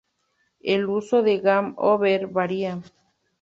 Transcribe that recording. El uso de "Game Over" varía.